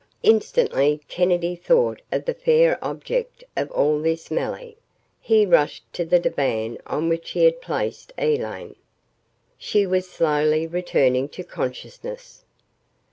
Instantly, Kennedy thought of the fair object of all this melee. He rushed to the divan on which he had placed Elaine. She was slowly returning to consciousness.